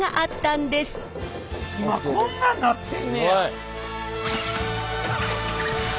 今こんなんなってんねや！